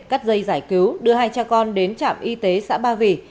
cắt dây giải cứu đưa hai cha con đến trạm y tế xã ba vì